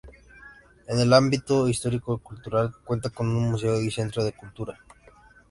En el ámbito histórico cultural, cuenta con un museo y centro de cultura.